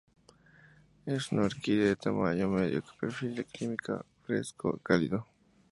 Es una orquídea de tamaño medio, que prefiere el clima fresco a cálido.